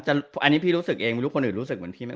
อันนี้พี่รู้สึกเองไม่รู้คนอื่นรู้สึกเหมือนพี่ไหม